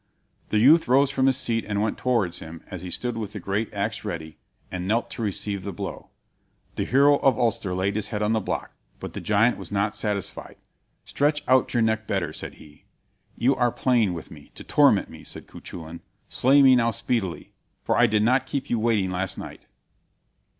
The youth rose from his seat and went towards him, as he stood with the great axe ready, and knelt to receive the blow. The hero of Ulster laid his head on the block; but the giant was not satisfied. "Stretch out your neck better," said he. "You are playing with me, to torment me," said Cuchulain. "Slay me now speedily, for I did not keep you waiting last night."